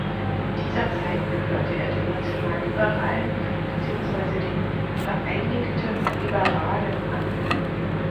In dieser Zeit gehörte er den Nationalliberalen beziehungsweise den „Vereinigte Liberalen“ an.